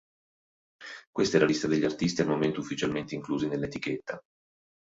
Questa è la lista degli artisti al momento ufficialmente inclusi nell'etichetta.